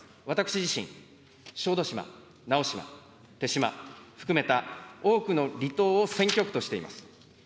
私自身、小豆島、直島、豊島、含めた多くの離島を選挙区としています。